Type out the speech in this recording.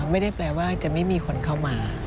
ไม่ได้แปลว่าจะไม่มีคนเข้ามา